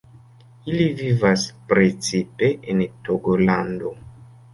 Ili vivas precipe en Togolando.